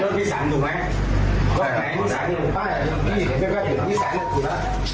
เมื่อวานนี้กับวันนี้นะแล้วทำอะไรเราเรารู้นะ